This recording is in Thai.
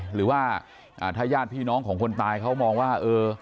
หรือว่าถ้าญาติพี่น้องของคนตายเขามองว่าเออ